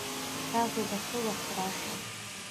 تاسو به څه وخت راشئ؟